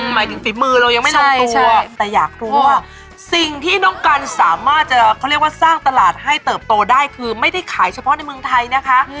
หมายถึงฝีมือเรายังไม่ลงตัวแต่อยากรู้ว่าสิ่งที่น้องกันสามารถจะเขาเรียกว่าสร้างตลาดให้เติบโตได้คือไม่ได้ขายเฉพาะในเมืองไทยนะคะ